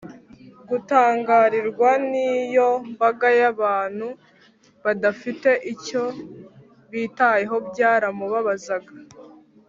gutangarirwa n’iyo mbaga y’abantu badafite icyo bitayeho byaramubabazaga